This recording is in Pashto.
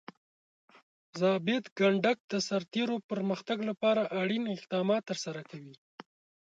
ضابط کنډک د سرتیرو پرمختګ لپاره اړین اقدامات ترسره کوي.